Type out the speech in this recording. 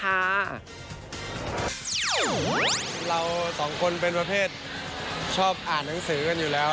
เราสองคนเป็นประเภทชอบอ่านหนังสือกันอยู่แล้ว